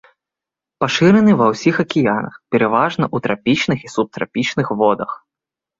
Пашыраны ва ўсіх акіянах, пераважна ў трапічных і субтрапічных водах.